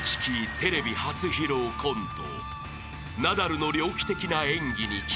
テレビ初披露コント］